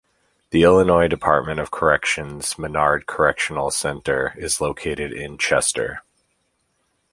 The Illinois Department of Corrections Menard Correctional Center is located in Chester.